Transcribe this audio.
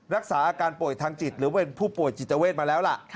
รักษาอาการป่วยทางจิตหรือเป็นผู้ป่วยจิตเวทมาแล้วล่ะ